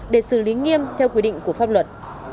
để xử lý nghiêm theo quy định của pháp luật